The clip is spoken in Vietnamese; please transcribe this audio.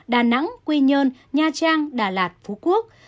đà nẵng quy nhơn nha trang đà lạt phú quốc